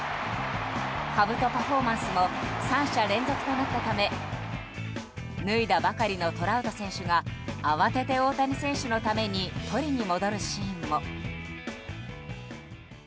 かぶとパフォーマンスも３者連続となったため脱いだばかりのトラウト選手が慌てて大谷選手のために取りに戻るシーンも。